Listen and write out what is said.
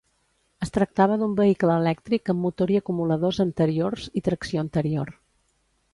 Es tractava d'un vehicle elèctric amb motor i acumuladors anteriors i tracció anterior.